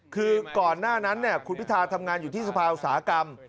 คือก่อนหน้านั้นคุณพิธาทำงานอยู่ที่สภาอุตสาหกรรม